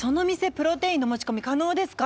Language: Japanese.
プロテインの持ち込み可能ですか？」